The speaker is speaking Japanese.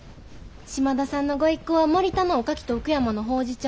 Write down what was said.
島田さんのご一行は森田のおかきと奥山のほうじ茶。